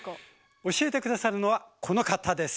教えて下さるのはこの方です。